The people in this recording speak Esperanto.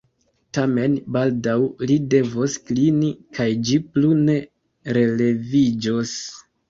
Tamen baldaŭ li devos klini, kaj ĝi plu ne releviĝos.